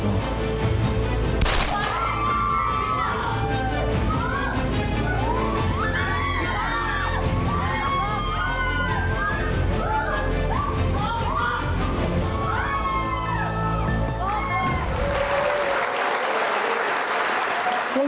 พี่ก้องโดนยิง